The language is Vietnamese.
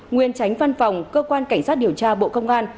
nguyên tránh văn phòng cơ quan cảnh sát điều tra bộ công an